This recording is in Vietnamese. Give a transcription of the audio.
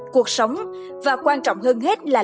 cuộc sống và quan trọng hơn hết là